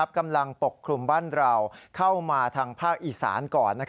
ปกคลุมบ้านเราเข้ามาทางภาคอีสานก่อน